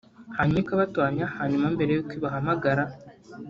hanyuma ikabatoranya hanyuma mbere y’uko ibahamagara